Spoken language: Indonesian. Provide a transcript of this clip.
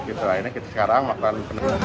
nah ini kita sekarang makan